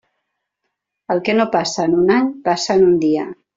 El que no passa en un any passa en un dia.